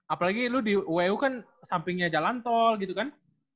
apalagi lu di uu kan sampingnya jalan tol gitu kan